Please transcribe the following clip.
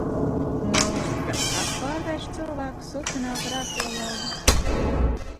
Nu, tad kas pārvērš cilvēku sutanā par arheologu?